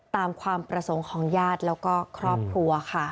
ตามความประสงค์ของญาติแล้วก็ครอบครัวค่ะ